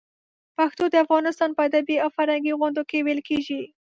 پښتو د افغانستان په ادبي او فرهنګي غونډو کې ویلې کېږي.